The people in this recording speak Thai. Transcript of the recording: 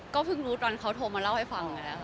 ก็เพิ่งรู้ตอนเขาโทรมาเล่าให้ฟัง